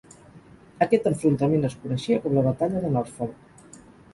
Aquest enfrontament es coneixia com la batalla de Norfolk.